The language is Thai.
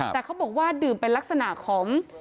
แต่เขาบอกว่าดื่มเป็นลักษณะของ